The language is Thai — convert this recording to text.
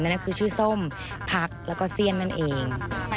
นั่นคือชื่อส้มพักแล้วก็เสี้ยนนั่นเอง